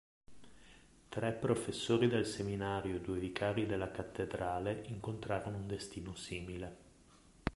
Tre professori del seminario e due vicari della cattedrale incontrarono un destino simile.